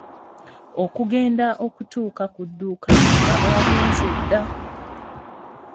Okugenda okutuuka ku dduuka nga baagenze dda.